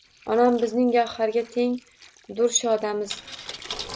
Onam bizning gavharga teng dur shodamiz